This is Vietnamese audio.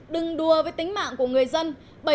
đừng đua với tính mạng của người dân